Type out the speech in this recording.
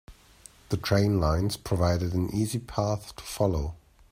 The train lines provided an easy path to follow.